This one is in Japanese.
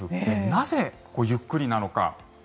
なぜゆっくりなのか。